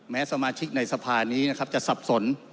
แม้สมาชิกในสะพานนี้จะสับสน